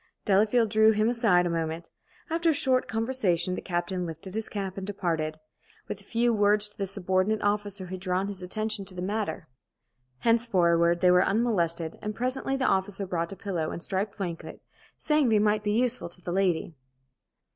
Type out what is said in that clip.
Delafield drew him aside a moment. After a short conversation the captain lifted his cap and departed, with a few words to the subordinate officer who had drawn his attention to the matter. Henceforward they were unmolested, and presently the officer brought a pillow and striped blanket, saying they might be useful to the lady.